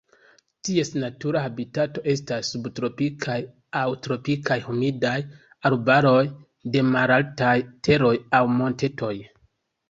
Ties natura habitato estas subtropikaj aŭ tropikaj humidaj arbaroj de malaltaj teroj aŭ montetoj.